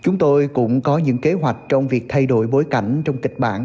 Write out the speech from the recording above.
chúng tôi cũng có những kế hoạch trong việc thay đổi bối cảnh trong kịch bản